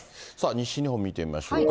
西日本見てみましょうか。